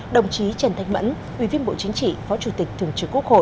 đồng chí trần thanh mẫn ủy viên bộ chính trị phó chủ tịch thường trực quốc hội